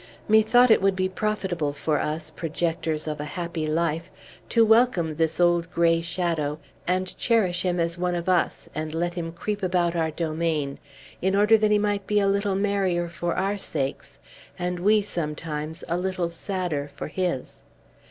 Methought it would be profitable for us, projectors of a happy life, to welcome this old gray shadow, and cherish him as one of us, and let him creep about our domain, in order that he might be a little merrier for our sakes, and we, sometimes, a little sadder for his.